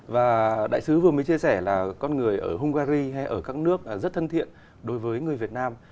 và đại sứ vừa mới chia sẻ là con người ở hungary hay ở các nước rất thân thiện đối với người việt nam